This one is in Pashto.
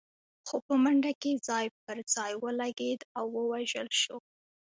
خو په منډه کې ځای پر ځای ولګېد او ووژل شو.